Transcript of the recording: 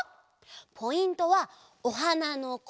ポイントはおはなのここ！